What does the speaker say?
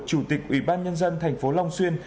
chủ tịch ủy ban nhân dân thành phố long xuyên